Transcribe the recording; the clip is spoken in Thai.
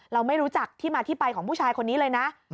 เราไม่รู้จักที่มาที่ไปของผู้ชายคนนี้เลยนะ